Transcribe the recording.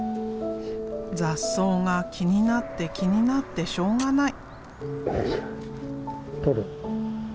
雑草が気になって気になってしょうがない。